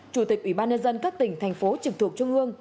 chủ tịch ủy ban nhân dân các tỉnh thành phố trực thuộc trung ương